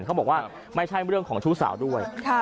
เขาบอกว่าไม่ใช่เรื่องของชู้สาวด้วย